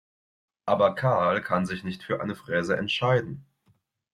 Aber Karl kann sich nicht für eine Fräse entscheiden.